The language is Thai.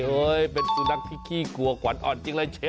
เป็นสุนัขที่ขี้กลัวขวัญอ่อนจริงเลยเชฟ